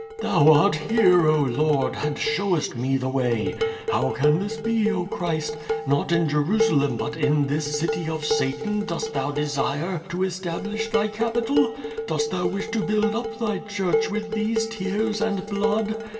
^'Thou art liere, oh, Lord! and showest me the way. How can this be, oh, Christ! Xot in Jerusalem but in this city of Satan dost Thou desire to establish Thy Capitol? Dost Thou wish to build up Thy Church with these tears and blood?